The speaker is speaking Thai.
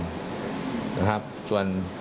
ครับส่วน